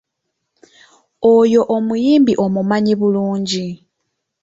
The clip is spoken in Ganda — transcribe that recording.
Oyo omuyimbi omumanyi bulungi?